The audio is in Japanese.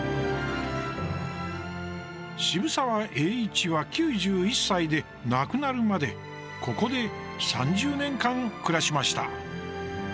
渋沢栄一は９１歳で亡くなるまでここで３０年間暮らしました。